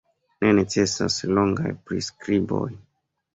Ne necesas longaj priskriboj.